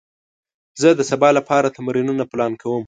زه د سبا لپاره تمرینونه پلان کوم.